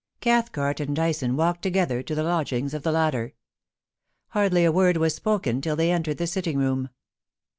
Cathcart and Dyson walked together to the lodgings of the latter. Hardly a word was spoken till they entered the sitting room.